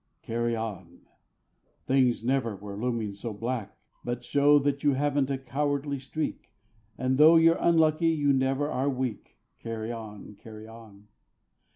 Carry on! Things never were looming so black. But show that you haven't a cowardly streak, And though you're unlucky you never are weak. Carry on! Carry on!